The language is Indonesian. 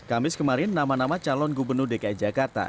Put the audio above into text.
kamis kemarin nama nama calon gubernur dki jakarta